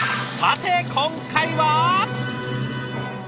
さて今回は？